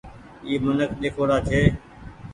اي منک ۮيکوڙآ ڇي۔